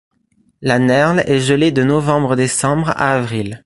La Nerl est gelée de novembre-décembre à avril.